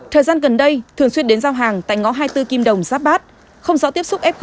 thời gian gần đây thường xuyên đến giao hàng tại ngõ hai mươi bốn kim đồng giáp bát không rõ tiếp xúc f